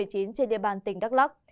trên địa bàn tỉnh đắk lắc